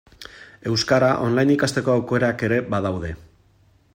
Euskara online ikasteko aukerak ere badaude.